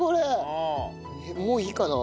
もういいかな？